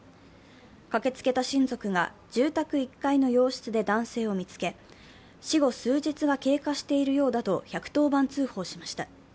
駆けつけた親族が住宅１階の洋室で男性を見つけ、死後数日が経過しているようだと１１０番通報しました。